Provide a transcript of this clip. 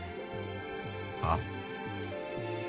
あっ？